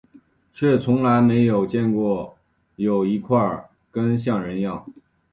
却从来没有见过有一块根像人样